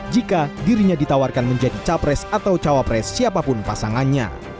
jika dirinya ditawarkan menjadi capres atau cawapres siapapun pasangannya